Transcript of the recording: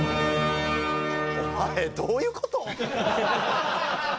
お前どういう事！？